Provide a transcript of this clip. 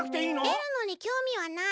でるのにきょうみはない。